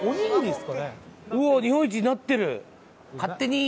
うわ日本一になってる